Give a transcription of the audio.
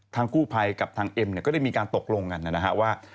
กู้ภัยกับทางเอ็มเนี่ยก็ได้มีการตกลงกันนะครับว่า